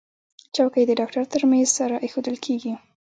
چوکۍ د ډاکټر تر میز سره ایښودل کېږي.